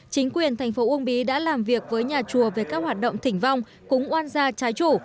chính quyền tp ung bí đã làm việc với nhà chùa về các hoạt động thỉnh vong cúng oan gia trái chủ